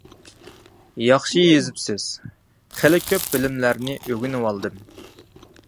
ياخشى يېزىپسىز، خېلى كۆپ بىلىملەرنى ئۆگىنىۋالدىم.